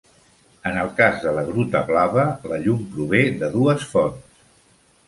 En el cas de la Gruta Blava, la llum prové de dues fonts.